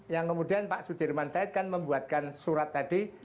yang kemudian pak sudirman said kan membuatkan surat tadi